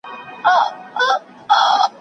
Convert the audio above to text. نه شرنګی وي د سازونو نه مستي وي د پایلو